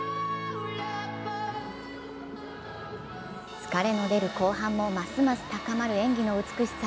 疲れの出る後半もますます高まる演技の美しさ。